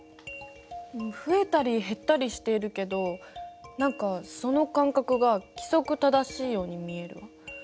増えたり減ったりしているけど何かその間隔が規則正しいように見えるわ。